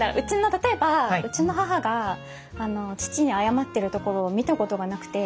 例えばうちの母が父に謝ってるところを見たことがなくて。